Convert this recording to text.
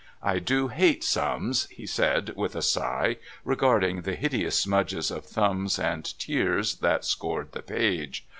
"I do hate sums!" he said, with a sigh, regarding the hideous smudges of thumbs and tears that scored the page.